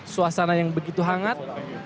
suasana yang begitu hangat